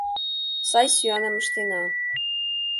Сай сӱаным ыштена.